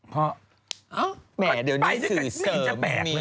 อ๋อแบ๊หน้าขึ้นแบ๋หน้ามีง